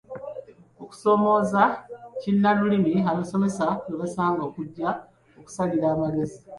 Okusoomooza kinnalulimi abasomesa kwe basanga kujja kusalirwa amagezi.